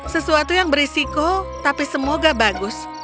sesuatu yang berisiko tapi semoga bagus